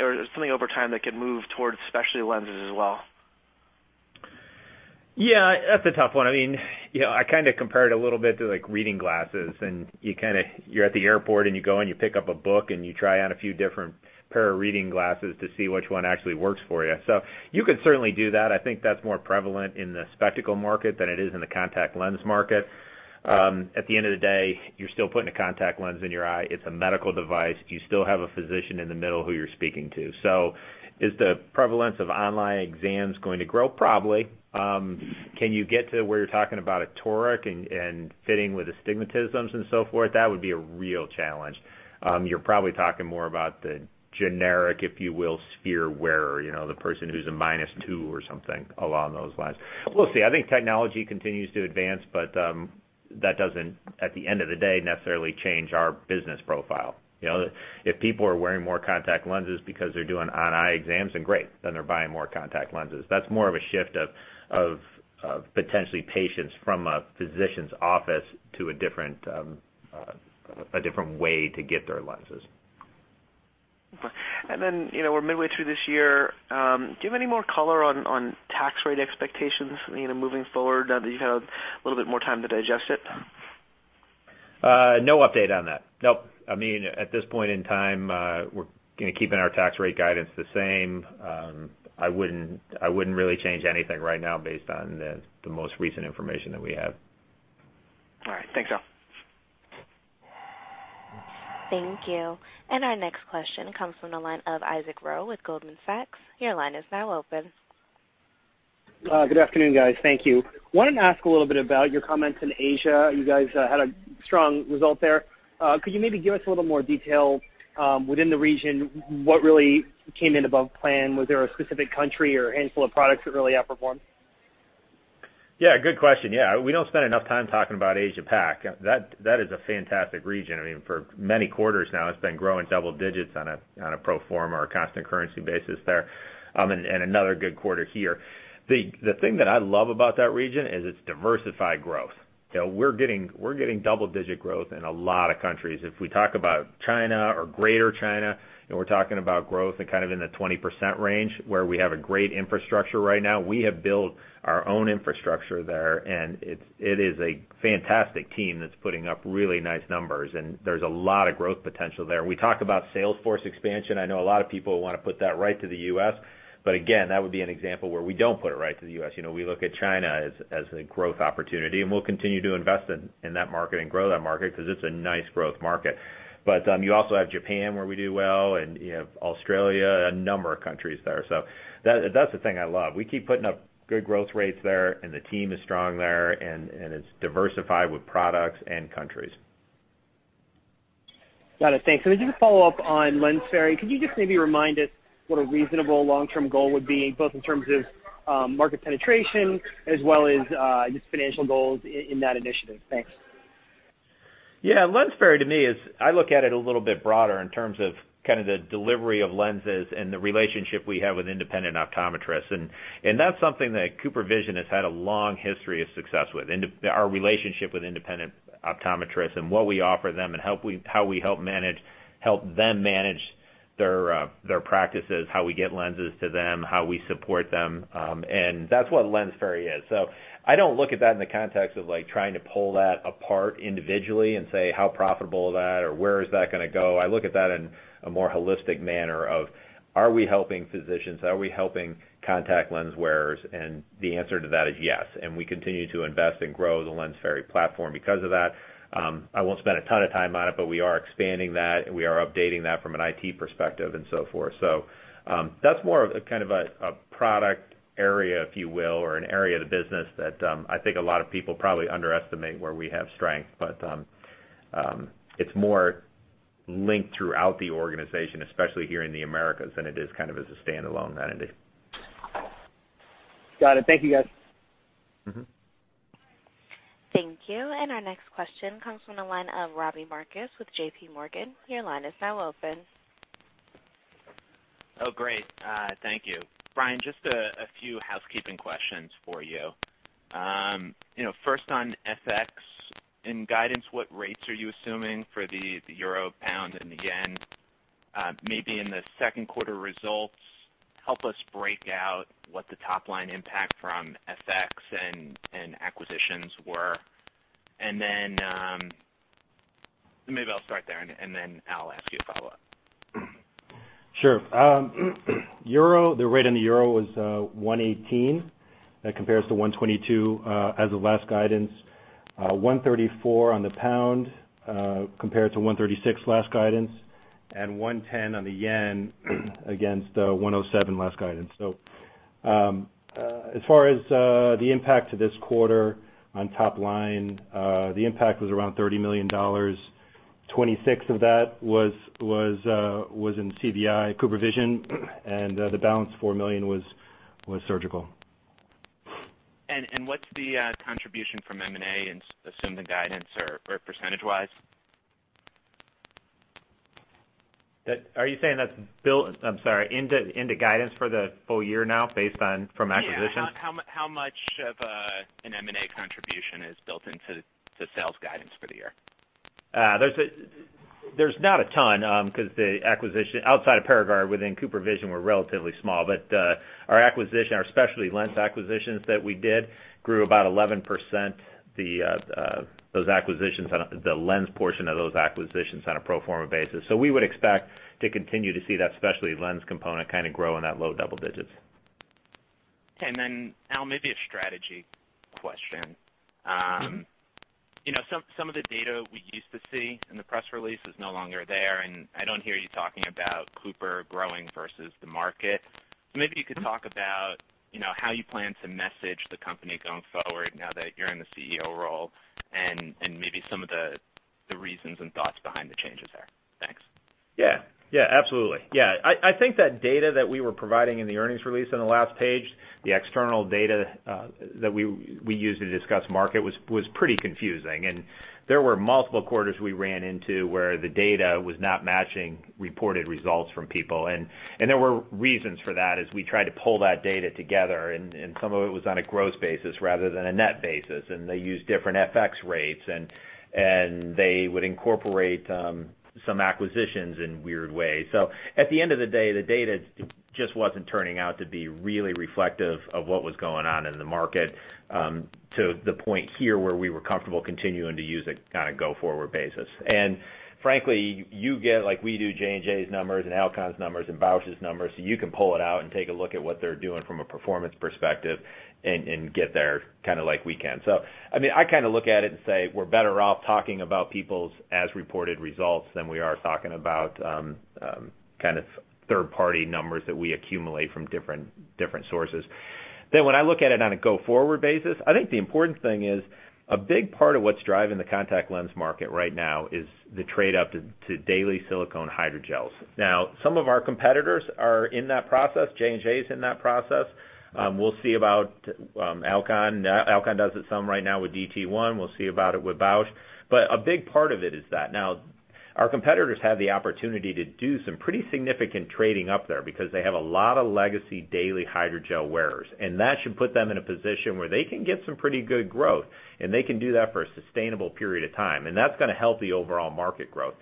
Speaker 13: over time that could move towards specialty lenses as well?
Speaker 3: Yeah, that's a tough one. I kind of compare it a little bit to reading glasses, and you're at the airport and you go and you pick up a book and you try on a few different pair of reading glasses to see which one actually works for you. You could certainly do that. I think that's more prevalent in the spectacle market than it is in the contact lens market. At the end of the day, you're still putting a contact lens in your eye. It's a medical device. You still have a physician in the middle who you're speaking to. Is the prevalence of online exams going to grow? Probably. Can you get to where you're talking about a toric and fitting with astigmatisms and so forth? That would be a real challenge. You're probably talking more about the generic, if you will, sphere wearer, the person who's a minus 2 or something along those lines. We'll see. I think technology continues to advance, but that doesn't, at the end of the day, necessarily change our business profile. If people are wearing more contact lenses because they're doing on eye exams, then great. They're buying more contact lenses. That's more of a shift of potentially patients from a physician's office to a different way to get their lenses.
Speaker 13: Okay. We're midway through this year. Do you have any more color on tax rate expectations, moving forward now that you've had a little bit more time to digest it?
Speaker 3: No update on that. Nope. At this point in time, we're going to keeping our tax rate guidance the same. I wouldn't really change anything right now based on the most recent information that we have.
Speaker 13: All right. Thanks, Al.
Speaker 1: Thank you. Our next question comes from the line of Isaac Roe with Goldman Sachs. Your line is now open.
Speaker 14: Good afternoon, guys. Thank you. Wanted to ask a little bit about your comments in Asia. You guys had a strong result there. Could you maybe give us a little more detail within the region, what really came in above plan? Was there a specific country or a handful of products that really outperformed?
Speaker 3: Yeah, good question. We don't spend enough time talking about Asia Pac. That is a fantastic region. For many quarters now, it's been growing double-digits on a pro forma or a constant currency basis there. Another good quarter here. The thing that I love about that region is its diversified growth. We're getting double-digit growth in a lot of countries. If we talk about China or Greater China, and we're talking about growth kind of in the 20% range, where we have a great infrastructure right now. We have built our own infrastructure there, and it is a fantastic team that's putting up really nice numbers, and there's a lot of growth potential there. We talk about sales force expansion. I know a lot of people want to put that right to the U.S., but again, that would be an example where we don't put it right to the U.S. We look at China as a growth opportunity, and we'll continue to invest in that market and grow that market because it's a nice growth market. You also have Japan, where we do well, and you have Australia, a number of countries there. That's the thing I love. We keep putting up good growth rates there, and the team is strong there, and it's diversified with products and countries.
Speaker 14: Got it. Thanks. Just a follow-up on LensFerry. Could you just maybe remind us what a reasonable long-term goal would be, both in terms of market penetration as well as just financial goals in that initiative? Thanks.
Speaker 3: LensFerry to me is, I look at it a little bit broader in terms of kind of the delivery of lenses and the relationship we have with independent optometrists. That's something that CooperVision has had a long history of success with, our relationship with independent optometrists and what we offer them and how we help them manage their practices, how we get lenses to them, how we support them. That's what LensFerry is. I don't look at that in the context of trying to pull that apart individually and say how profitable is that or where is that going to go. I look at that in a more holistic manner of, are we helping physicians? Are we helping contact lens wearers? The answer to that is yes, we continue to invest and grow the LensFerry platform because of that. I won't spend a ton of time on it, but we are expanding that, and we are updating that from an IT perspective and so forth. That's more of kind of a product area, if you will, or an area of the business that I think a lot of people probably underestimate where we have strength. It's more linked throughout the organization, especially here in the Americas, than it is kind of as a standalone entity.
Speaker 14: Got it. Thank you, guys.
Speaker 1: Thank you. Our next question comes from the line of Robbie Marcus with JPMorgan. Your line is now open.
Speaker 15: Oh, great. Thank you. Brian, just a few housekeeping questions for you. First on FX. In guidance, what rates are you assuming for the euro, pound, and the yen? Maybe in the second quarter results, help us break out what the top-line impact from FX and acquisitions were. Maybe I'll start there, then Al, I'll ask you a follow-up.
Speaker 4: Sure. The rate on the euro was 118. That compares to 122 as of last guidance. 134 on the pound compared to 136 last guidance, and 110 on the yen against 107 last guidance. As far as the impact to this quarter on top-line, the impact was around $30 million. $26 million of that was in CVI, CooperVision, and the balance, $4 million, was CooperSurgical.
Speaker 15: What's the contribution from M&A and assumed the guidance or percentage-wise?
Speaker 3: Are you saying that's built, I'm sorry, into guidance for the full year now based on from acquisitions?
Speaker 15: Yeah. How much of an M&A contribution is built into the sales guidance for the year?
Speaker 3: There's not a ton because the acquisition outside of Paragard, within CooperVision, we're relatively small. Our acquisition, our specialty lens acquisitions that we did grew about 11%, the lens portion of those acquisitions on a pro forma basis. We would expect to continue to see that specialty lens component kind of grow in that low double digits.
Speaker 15: Okay. Then Al, maybe a strategy question. Some of the data we used to see in the press release is no longer there, and I don't hear you talking about Cooper growing versus the market. Maybe you could talk about how you plan to message the company going forward now that you're in the CEO role, and maybe some of the reasons and thoughts behind the changes there. Thanks.
Speaker 3: Yeah. Absolutely. I think that data that we were providing in the earnings release on the last page, the external data that we used to discuss market was pretty confusing. There were multiple quarters we ran into where the data was not matching reported results from people. There were reasons for that as we tried to pull that data together, and some of it was on a gross basis rather than a net basis, and they used different FX rates, and they would incorporate some acquisitions in weird ways. At the end of the day, the data just wasn't turning out to be really reflective of what was going on in the market, to the point here where we were comfortable continuing to use a kind of go-forward basis. Frankly, you get like we do J&J's numbers and Alcon's numbers and Bausch's numbers, so you can pull it out and take a look at what they're doing from a performance perspective and get there kind of like we can. I kind of look at it and say, "We're better off talking about people's as reported results than we are talking about kind of third-party numbers that we accumulate from different sources." When I look at it on a go-forward basis, I think the important thing is a big part of what's driving the contact lens market right now is the trade up to daily silicone hydrogels. Some of our competitors are in that process. J&J is in that process. We'll see about Alcon. Alcon does it some right now with DT1. We'll see about it with Bausch. A big part of it is that. Our competitors have the opportunity to do some pretty significant trading up there because they have a lot of legacy daily hydrogel wearers, and that should put them in a position where they can get some pretty good growth, and they can do that for a sustainable period of time. That's going to help the overall market growth.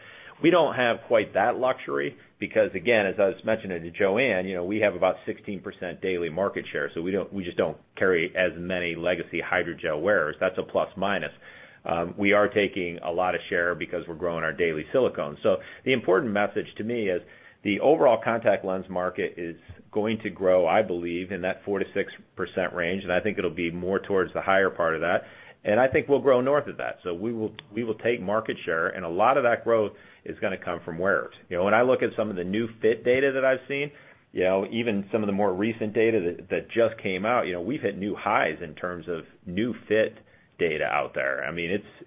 Speaker 3: We don't have quite that luxury because, again, as I was mentioning to Joanne, we have about 16% daily market share. We just don't carry as many legacy hydrogel wearers. That's a plus minus. We are taking a lot of share because we're growing our daily silicone. The important message to me is the overall contact lens market is going to grow, I believe, in that 4%-6% range, and I think it'll be more towards the higher part of that. I think we'll grow north of that. We will take market share, and a lot of that growth is going to come from wearers. When I look at some of the new fit data that I've seen, even some of the more recent data that just came out, we've hit new highs in terms of new fit data out there.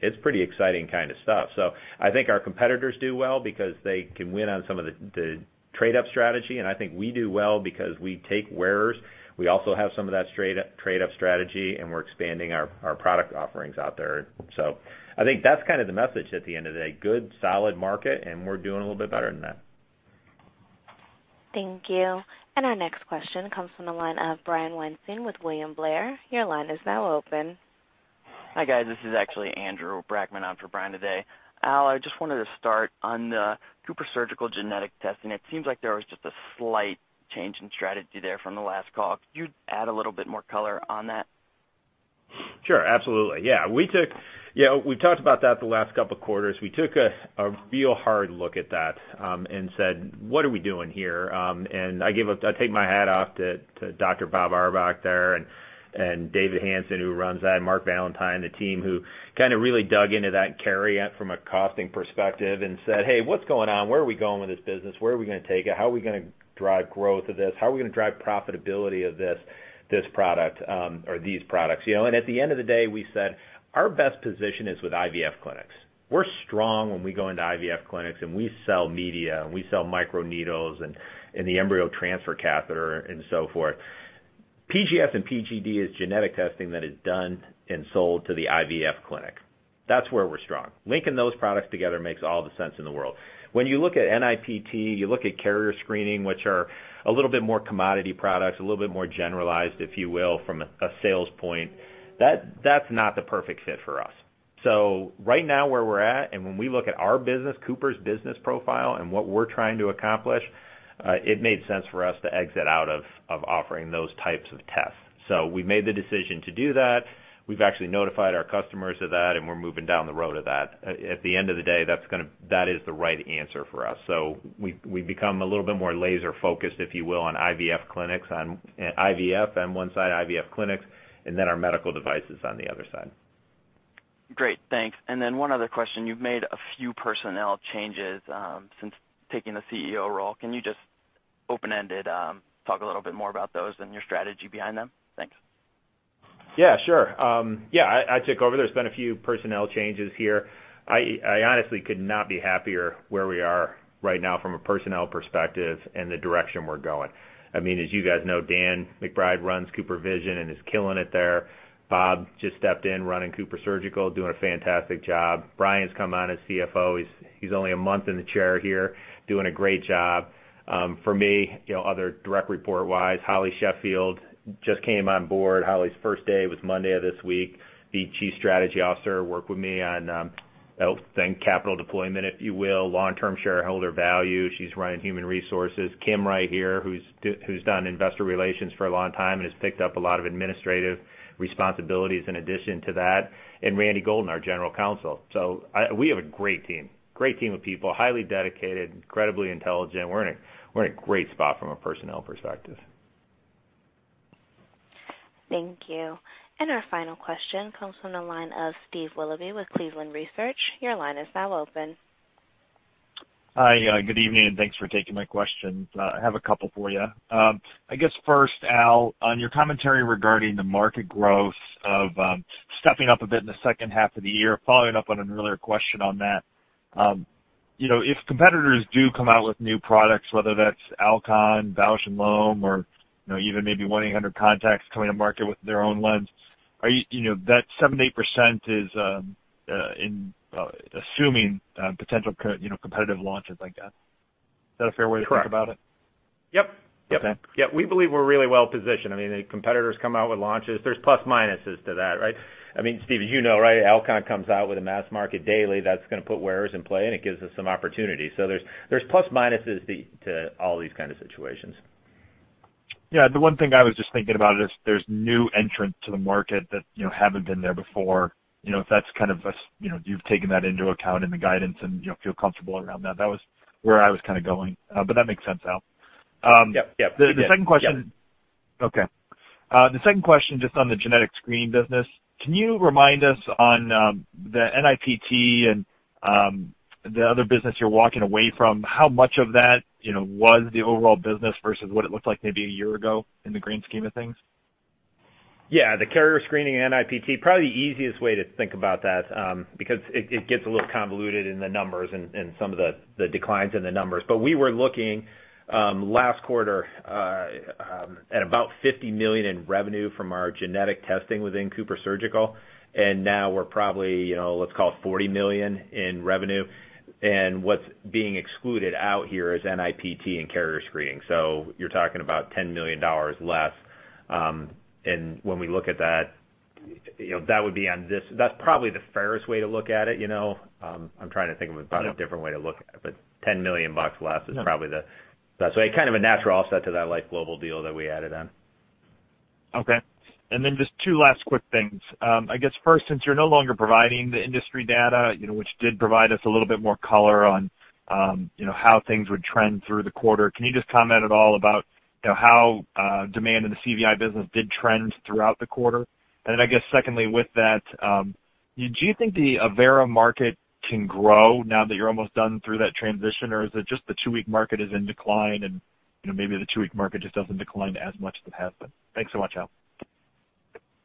Speaker 3: It's pretty exciting kind of stuff. I think our competitors do well because they can win on some of the trade up strategy. I think we do well because we take wearers. We also have some of that trade up strategy, and we're expanding our product offerings out there. I think that's kind of the message at the end of the day, good solid market, and we're doing a little bit better than that.
Speaker 1: Thank you. Our next question comes from the line of Brian Weinstein with William Blair. Your line is now open.
Speaker 16: Hi, guys. This is actually Andrew Brackmann on for Brian today. Al, I just wanted to start on the CooperSurgical genetic testing. It seems like there was just a slight change in strategy there from the last call. Could you add a little bit more color on that?
Speaker 3: Sure. Absolutely. Yeah. We talked about that the last couple of quarters. We took a real hard look at that, said, "What are we doing here?" I take my hat off to Dr. Robert Auerbach there and David Hanson, who runs that, and Mark Valentine, the team who kind of really dug into that carrier from a costing perspective and said, "Hey, what's going on? Where are we going with this business? Where are we going to take it? How are we going to drive growth of this? How are we going to drive profitability of these products?" At the end of the day, we said, our best position is with IVF clinics. We're strong when we go into IVF clinics, and we sell media, and we sell micropipettes, and the embryo transfer catheter and so forth. PGS and PGD is genetic testing that is done and sold to the IVF clinic. That's where we're strong. Linking those products together makes all the sense in the world. When you look at NIPT, you look at carrier screening, which are a little bit more commodity products, a little bit more generalized, if you will, from a sales point, that's not the perfect fit for us. Right now where we're at, and when we look at our business, Cooper's business profile and what we're trying to accomplish, it made sense for us to exit out of offering those types of tests. We made the decision to do that. We've actually notified our customers of that, and we're moving down the road of that. At the end of the day, that is the right answer for us. We become a little bit more laser-focused, if you will, on IVF clinics on IVF on one side, IVF clinics, and then our medical devices on the other side.
Speaker 16: Great. Thanks. One other question. You've made a few personnel changes since taking the CEO role. Can you just open-ended talk a little bit more about those and your strategy behind them? Thanks.
Speaker 3: Yeah, sure. I took over. There's been a few personnel changes here. I honestly could not be happier where we are right now from a personnel perspective and the direction we're going. As you guys know, Dan McBride runs CooperVision and is killing it there. Bob just stepped in running CooperSurgical, doing a fantastic job. Brian's come on as CFO. He's only a month in the chair here, doing a great job. For me, other direct report-wise, Holly Sheffield just came on board. Holly's first day was Monday of this week. Be Chief Strategy Officer, work with me on capital deployment, if you will, long-term shareholder value. She's running human resources. Kim right here, who's done investor relations for a long time, and has picked up a lot of administrative responsibilities in addition to that. Randy Golden, our General Counsel. We have a great team. Great team of people, highly dedicated, incredibly intelligent. We're in a great spot from a personnel perspective.
Speaker 1: Thank you. Our final question comes from the line of Steve Willoughby with Cleveland Research. Your line is now open.
Speaker 17: Hi, good evening, and thanks for taking my questions. I have a couple for you. I guess first, Al, on your commentary regarding the market growth of stepping up a bit in the second half of the year, following up on an earlier question on that. If competitors do come out with new products, whether that's Alcon, Bausch + Lomb, or even maybe 1-800 Contacts coming to market with their own lens, that 7%-8% is assuming potential competitive launches like that. Is that a fair way to think about it?
Speaker 3: Correct. Yep.
Speaker 17: Okay.
Speaker 3: Yep. We believe we're really well-positioned. The competitors come out with launches, there's plus/minuses to that. Steve, as you know, Alcon comes out with a mass market daily, that's going to put wearers in play, and it gives us some opportunity. There's plus/minuses to all these kind of situations.
Speaker 17: Yeah. The one thing I was just thinking about is there's new entrants to the market that haven't been there before. If you've taken that into account in the guidance and feel comfortable around that? That was where I was kind of going. That makes sense, Al.
Speaker 3: Yep. You bet.
Speaker 17: The second question.
Speaker 3: Yep.
Speaker 17: Okay. The second question, just on the genetic screening business, can you remind us on the NIPT and the other business you're walking away from, how much of that was the overall business versus what it looked like maybe a year ago in the grand scheme of things?
Speaker 3: Yeah. The carrier screening NIPT, probably the easiest way to think about that, because it gets a little convoluted in the numbers and some of the declines in the numbers, but we were looking last quarter at about $50 million in revenue from our genetic testing within CooperSurgical, now we're probably, let's call it $40 million in revenue. What's being excluded out here is NIPT and carrier screening. You're talking about $10 million less. When we look at that's probably the fairest way to look at it. I'm trying to think of about a different way to look at it, $10 million bucks less is probably the kind of a natural offset to that LifeGlobal deal that we added on.
Speaker 17: Okay. Just two last quick things. I guess first, since you're no longer providing the industry data, which did provide us a little bit more color on how things would trend through the quarter, can you just comment at all about how demand in the CVI business did trend throughout the quarter? I guess secondly with that, do you think the Avaira market can grow now that you're almost done through that transition, or is it just the two-week market is in decline and maybe the two-week market just doesn't decline as much as it has been? Thanks so much, Al.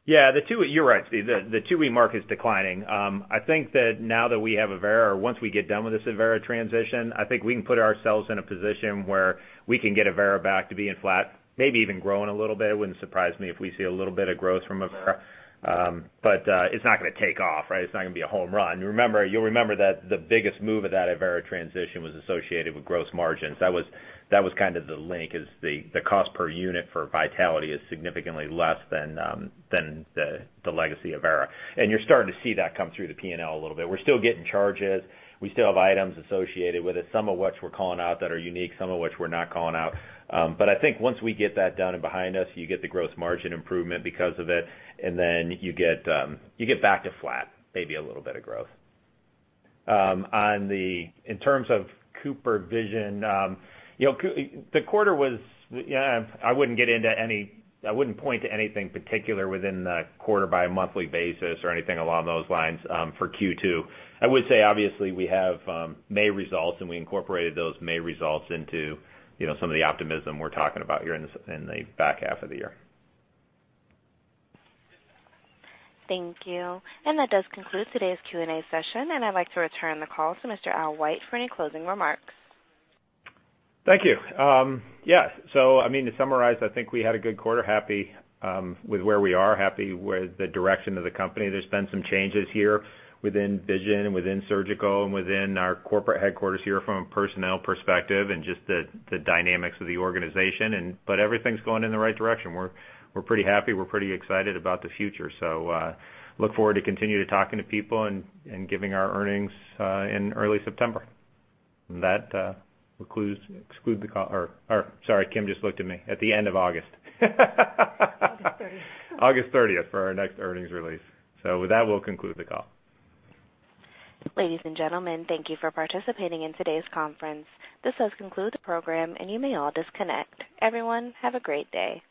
Speaker 3: Yeah. You're right, Steve. The two-week market's declining. I think that now that we have Avaira, or once we get done with this Avaira transition, I think we can put ourselves in a position where we can get Avaira back to being flat, maybe even growing a little bit. It wouldn't surprise me if we see a little bit of growth from Avaira. It's not going to take off. It's not going to be a home run. You'll remember that the biggest move of that Avaira transition was associated with gross margins. That was kind of the link is the cost per unit for Vitality is significantly less than the legacy Avaira. You're starting to see that come through the P&L a little bit. We're still getting charges. We still have items associated with it, some of which we're calling out that are unique, some of which we're not calling out. I think once we get that done and behind us, you get the gross margin improvement because of it, you get back to flat, maybe a little bit of growth. In terms of CooperVision, the quarter was, I wouldn't point to anything particular within the quarter by a monthly basis or anything along those lines for Q2. I would say, obviously, we have May results, we incorporated those May results into some of the optimism we're talking about here in the back half of the year.
Speaker 1: Thank you. That does conclude today's Q&A session, and I'd like to return the call to Mr. Albert White for any closing remarks.
Speaker 3: Thank you. Yeah. To summarize, I think we had a good quarter. Happy with where we are, happy with the direction of The Cooper Companies. There's been some changes here within CooperVision and within CooperSurgical and within our corporate headquarters here from a personnel perspective and just the dynamics of the organization, but everything's going in the right direction. We're pretty happy. We're pretty excited about the future. Look forward to continue to talking to people and giving our earnings in early September. That will exclude the call or, sorry, Kim just looked at me, at the end of August. August 30th. August 30th for our next earnings release. With that, we'll conclude the call.
Speaker 1: Ladies and gentlemen, thank you for participating in today's conference. This does conclude the program, and you may all disconnect. Everyone, have a great day